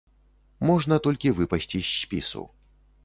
Можна толькі выпасці з спісу.